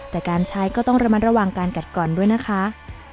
แต่การใช้ก็ต้องระมัดระวังการกัดก่อนด้วยนะคะ